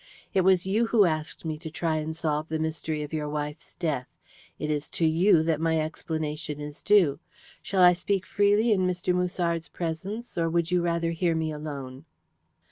"It was you who asked me to try and solve the mystery of your wife's death. It is to you that my explanation is due. Shall I speak freely in Mr. Musard's presence, or would you rather hear me alone?"